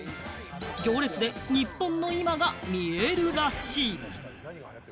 行列で日本の今が見えるらしい。